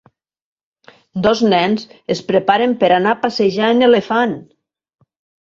Dos nens es preparen per anar a passejar en elefant.